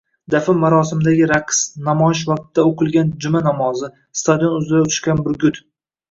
Dafn marosimidagi raqs, namoyish vaqtida o‘qilgan juma namozi, stadion uzra uchgan burgut